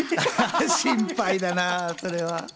心配だなぁ、それは。